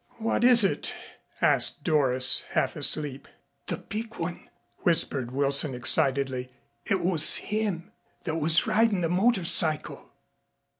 "What is it?" asked Doris, half asleep. "The big one," whispered Wilson excitedly. "It was him that was ridin' the motor cycle."